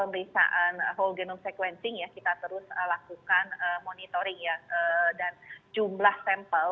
ya tentunya dengan pemerintahan whole genome sequencing ya kita terus lakukan monitoring ya dan jumlah sampel